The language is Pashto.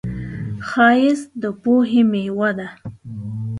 ښایست د پوهې میوه ده